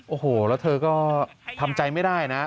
โอ้โหแล้วเธอก็ทำใจไม่ได้นะ